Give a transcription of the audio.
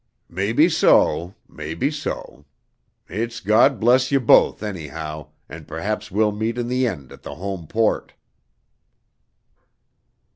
"Maybe so; maybe so. It's God bless ye both, anyhow, an' perhaps we'll meet in the end at the Home port."